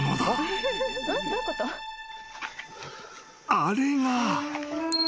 ［あれが］